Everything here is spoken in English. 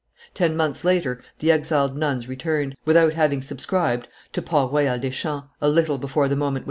Ten months later the exiled nuns returned, without having subscribed, to Port Royal des Champs, a little before the moment when M.